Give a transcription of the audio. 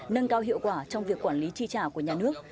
nâng cao hiệu quả trong việc quản lý chi trả của nhà nước